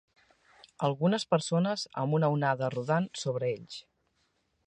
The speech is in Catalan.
Algunes persones amb una onada rodant sobre ells.